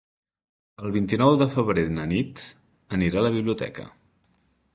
El vint-i-nou de febrer na Nit anirà a la biblioteca.